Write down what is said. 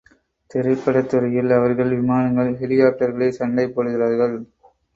திரைப்படத் துறையில், அவர்கள் விமானங்கள் ஹெலிகாப்டர்களில் சண்டை போடுகிறார்கள்.